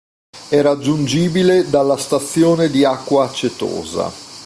È raggiungibile dalla stazione di Acqua Acetosa.